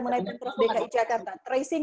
mengenai pemprov dki jakarta tracing